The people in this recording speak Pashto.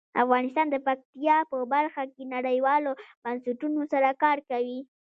افغانستان د پکتیا په برخه کې نړیوالو بنسټونو سره کار کوي.